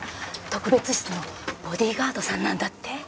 特別室のボディーガードさんなんだって？